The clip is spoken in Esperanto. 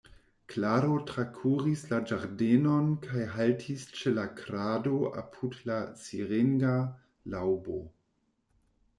Klaro trakuris la ĝardenon kaj haltis ĉe la krado apud la siringa laŭbo.